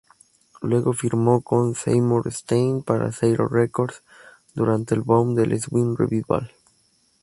Luego, firmó con Seymour Stein para Sire Records, durante el boom del swing revival.